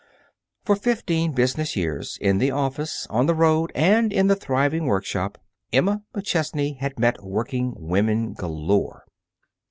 For fifteen business years, in the office, on the road, and in the thriving workshop, Emma McChesney had met working women galore.